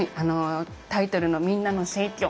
タイトルの「みんなの選挙」